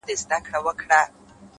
يار ژوند او هغه سره خنـديږي ـ